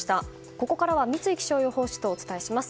ここからは三井気象予報士とお伝えします。